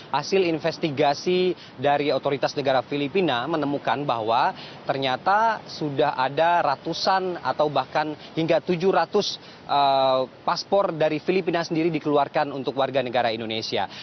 hasil investigasi dari otoritas negara filipina menemukan bahwa ternyata sudah ada ratusan atau bahkan hingga tujuh ratus paspor dari filipina sendiri dikeluarkan untuk warga negara indonesia